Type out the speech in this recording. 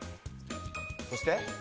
そして。